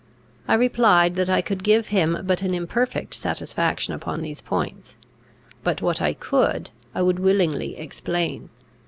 I replied, that I could give him but an imperfect satisfaction upon these points; but what I could, I would willingly explain.